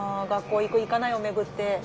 学校行く行かないを巡って。